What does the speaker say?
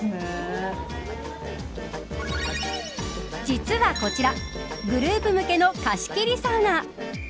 実はこちらグループ向けの貸し切りサウナ。